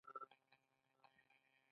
غالۍ د کور ښکلا ده